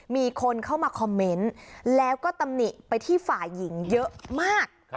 มีคนเข้ามาคอมเมนต์แล้วก็ตำหนิไปที่ฝ่ายหญิงเยอะมาก